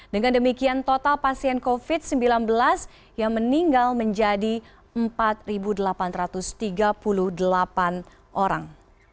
dengan demikian total pasien covid sembilan belas yang meninggal menjadi empat delapan ratus tiga puluh delapan orang